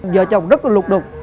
vợ chồng rất là lục đục